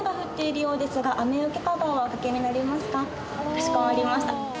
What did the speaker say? かしこまりました。